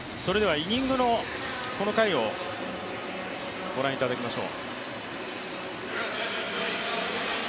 イニングのこの回をご覧いただきましょ。